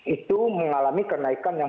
itu mengalami kenaikan yang